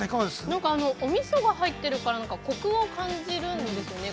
◆なんか、おみそが入ってるからコクを感じるんですよね。